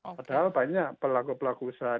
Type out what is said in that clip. padahal banyak pelaku pelaku usaha